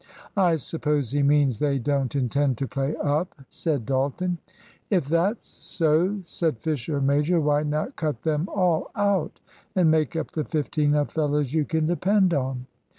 "I suppose he means they don't intend to play up," said Dalton. "If that's so," said Fisher major, "why not cut them all out and make up the fifteen of fellows you can depend on?"